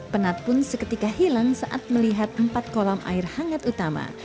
penat pun seketika hilang saat melihat empat kolam air hangat utama